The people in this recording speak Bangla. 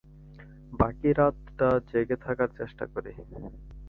বাকি রাতটা জেগে থাকার চেষ্টা করি।